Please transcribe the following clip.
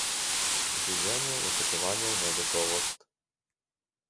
Življenje je potovanje v negotovost.